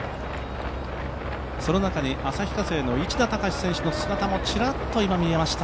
その中に旭化成の市田孝選手の姿もちらっと見えました。